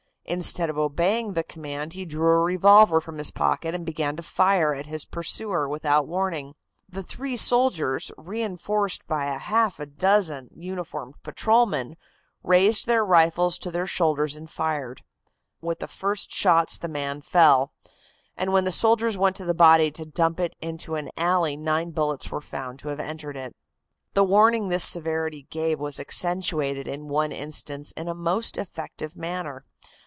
Instead of obeying the command he drew a revolver from his pocket and began to fire at his pursuer without warning. The three soldiers, reinforced by half a dozen uniformed patrolmen, raised their rifles to their shoulders and fired. With the first shots the man fell, and when the soldiers went to the body to dump it into an alley nine bullets were found to have entered it." The warning this severity gave was accentuated in one instance in a most effective manner.